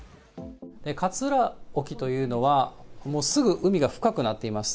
勝浦沖というのは、すぐ海が深くなっています。